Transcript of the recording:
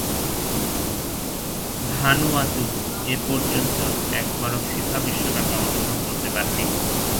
Vanuatu এপর্যন্ত একবারও FIFA বিশ্বকাপে অংশগ্রহণ করতে পারেনি।